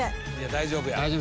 大丈夫や。